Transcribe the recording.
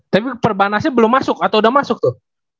tapi perbanasnya belum masuk atau udah masuk tuh